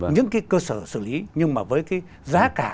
những cái cơ sở xử lý nhưng mà với cái giá cả